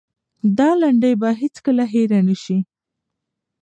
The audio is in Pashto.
دا لنډۍ به هېڅکله هېره نه سي.